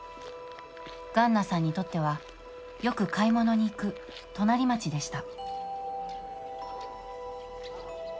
ガンナさんにとっては、よく買い物に行く隣町でした。